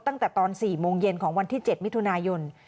ตั้งแต่ตอน๔โมงเย็นของวันที่๗มิถุนายน